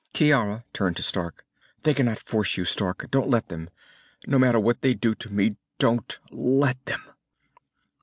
Ciara turned to Stark. "They cannot force you, Stark. Don't let them. No matter what they do to me, don't let them!"